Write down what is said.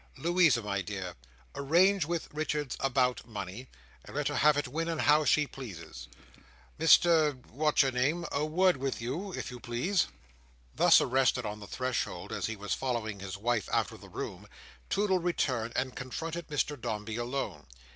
Louisa, my dear, arrange with Richards about money, and let her have it when and how she pleases. Mr what's your name, a word with you, if you please!" Thus arrested on the threshold as he was following his wife out of the room, Toodle returned and confronted Mr Dombey alone.